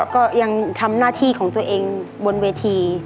ก็ยังทำหน้าที่ของตัวเองบนเวที